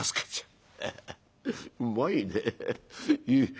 うまいねえ。